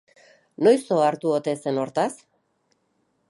Noiz ohartu ote zen hortaz?